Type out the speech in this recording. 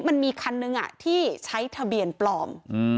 มันมีคันนึงที่ใช้ทะเบียนปลอม